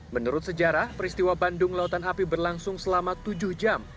menurut sejarah peristiwa bandung lautan api berlangsung selama tujuh jam